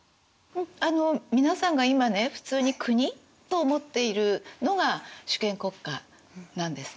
あの皆さんが今ね普通に国と思っているのが主権国家なんですね。